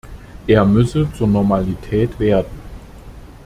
Er müsse zur Normalität werden.